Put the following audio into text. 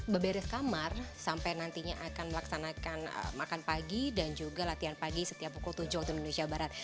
berberes kamar sampai nantinya akan melaksanakan makan pagi dan juga latihan pagi setiap pukul tujuh waktu indonesia barat